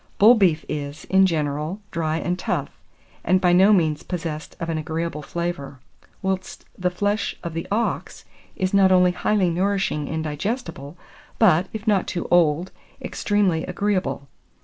Bull beef is, in general, dry and tough, and by no means possessed of an agreeable flavour; whilst the flesh of the ox is not only highly nourishing and digestible, but, if not too old, extremely agreeable.